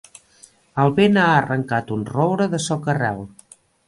El vent ha arrencat un roure de soca-rel.